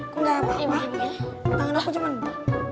kotak makan aku mana